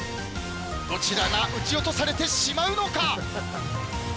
どちらが撃ち落とされてしまうのか。